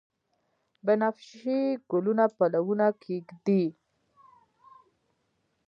بنفشیې ګلونه پلونه کښیږدي